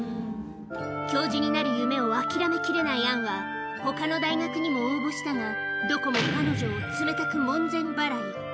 教授になる夢をあきらめきれないアンは、ほかの大学にも応募したが、どこも彼女を冷たく門前払い。